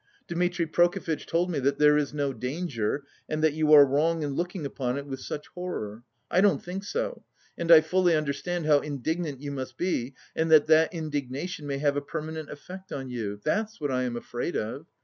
Dmitri Prokofitch told me that there is no danger, and that you are wrong in looking upon it with such horror. I don't think so, and I fully understand how indignant you must be, and that that indignation may have a permanent effect on you. That's what I am afraid of.